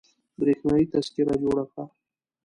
برېښنايي تذکره جوړه کړه